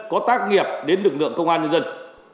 có tác nghiệp đến lực lượng công an nhân dân